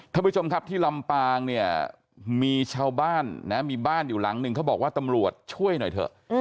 ท่านผู้ชมครับที่ลำปางเนี่ยมีชาวบ้านนะมีบ้านอยู่หลังนึงเขาบอกว่าตำรวจช่วยหน่อยเถอะ